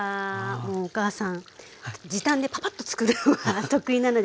もうお母さん時短でパパッとつくるのが得意なので。